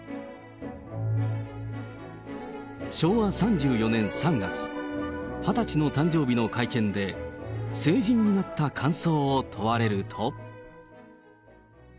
昭和３４年３月、２０歳になった誕生日の会見で、成人になった感想を問われると。